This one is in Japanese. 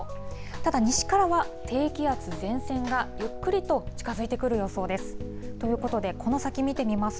ただ、西からは低気圧、前線がゆっくりと近づいてくる予想です。